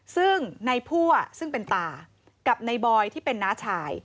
ซึ่งในพั่วซึ่งเป็นตากับในบอยที่เป็นน้าชาย